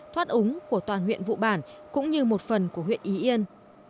thoát úng của toàn huyện vụ bản cũng như một phần của huyện y yên